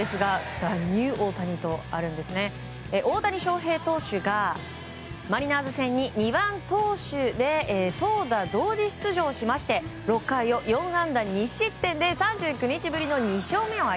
ザ・ニューオータニとあるんですが大谷翔平投手がマリナーズ戦に２番投手で投打同時出場しまして６回を４安打２失点で３９日ぶりの２勝目。